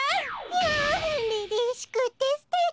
・やんりりしくてすてき。